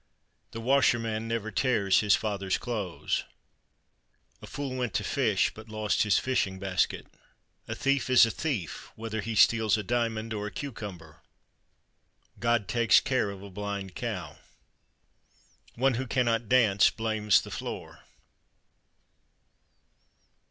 The washerman never tears his father's clothes. A fool went to fish, but lost his fishing basket. A thief is a thief, whether he steals a diamond or a cucumber. God takes care of a blind cow. One who cannot dance blames the floor.